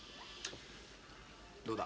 どうだ？